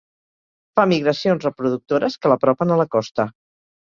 Fa migracions reproductores que l'apropen a la costa.